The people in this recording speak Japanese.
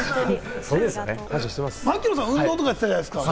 槙野さんは運動やってたじゃないですか。